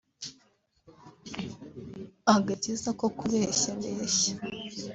agakiza ko kubeshyabeshya